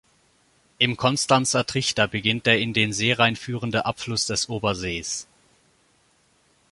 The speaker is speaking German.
Im Konstanzer Trichter beginnt der in den Seerhein führende Abfluss des Obersees.